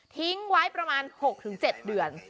ทิ้งไว้ประมาณ๖๗เดือน